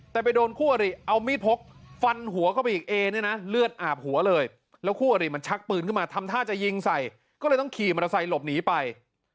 แต่ไปโดนคู่อริเอามีดพกฟันหัวเข้าไปอีกเอเนี่ยนะเลือดอาบหัวเลยแล้วคู่อริมันชักปืนขึ้นมาทำท่าจะยิงใส่ก็เลยต้องขี่มอเตอร์ไซค์หลบหนีไป